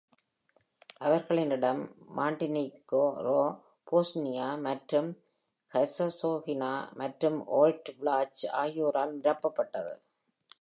அவர்களின் இடம் Montenegro, Bosnia மற்றும் ஹெர்சகோவினா மற்றும் ஓல்ட் விளாச் ஆகியோரால் நிரப்பப்பட்டது.